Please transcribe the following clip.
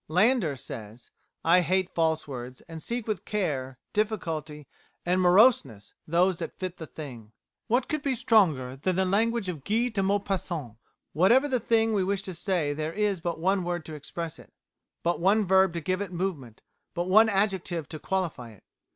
Landor says: "I hate false words, and seek with care, difficulty, and moroseness those that fit the thing." What could be stronger than the language of Guy de Maupassant? "Whatever the thing we wish to say there is but one word to express it, but one verb to give it movement, but one adjective to qualify it.